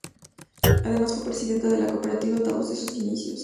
Además, fue presidenta de la Cooperativa Altavoz en sus inicios.